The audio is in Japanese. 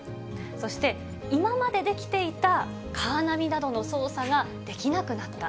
そして、今までできていたカーナビなどの操作ができなくなった。